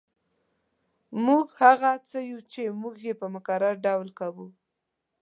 موږ هغه څه یو چې موږ یې په مکرر ډول کوو